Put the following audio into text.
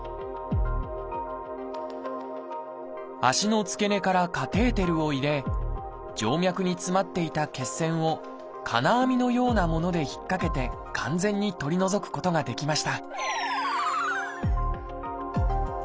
足の付け根からカテーテルを入れ静脈に詰まっていた血栓を金網のようなもので引っ掛けて完全に取り除くことができました